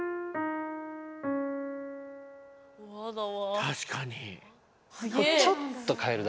確かに。